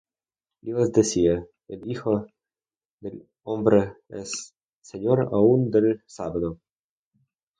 Y les decía. El Hijo del hombre es Señor aun del sábado.